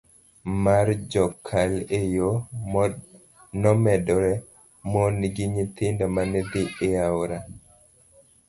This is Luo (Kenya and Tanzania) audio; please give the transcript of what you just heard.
mar jokal e yo nomedore, mon gi nyithindo mane dhi e aora